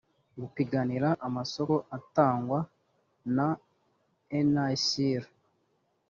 gupiganira amasoko atangwa na nisr